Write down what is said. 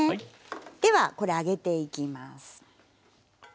ではこれ揚げていきます。